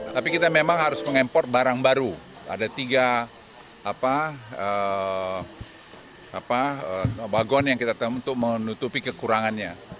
tapi kita memang harus mengimpor barang baru ada tiga bagon yang kita temu untuk menutupi kekurangannya